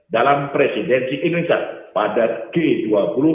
dalam presidensi indonesia pada g dua puluh tahun dua ribu dua puluh dua